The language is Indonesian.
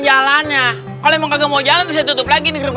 jalannya kalau mau jalan tutup lagi nih